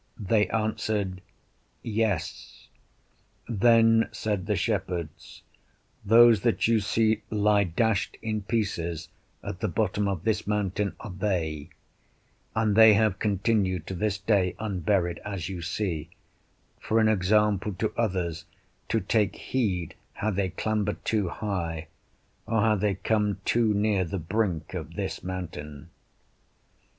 They answered, Yes. Then said the shepherds, Those that you see lie dashed in pieces at the bottom of this mountain are they; and they have continued to this day unburied (as you see) for an example to others to take heed how they clamber too high, or how they come too near the brink of this mountain.